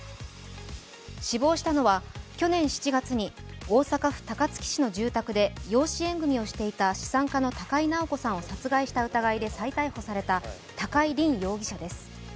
死亡したのは去年７月に大阪府高槻市の住宅で養子縁組をしていた資産家の高井直子さんを殺害した疑いで再逮捕された高井凜容疑者です。